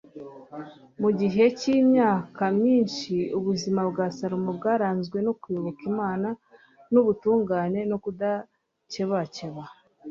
mu gihe cy'imyaka minshi, ubuzima bwa salomo bwaranzwe no kuyoboka imana, n'ubutungane no kudakebakeba